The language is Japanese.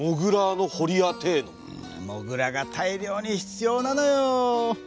モグラが大量に必要なのよ。